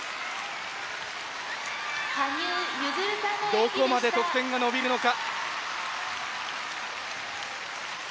どこまで得点が伸びるのか。